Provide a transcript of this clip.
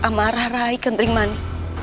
amarah rai kandring mani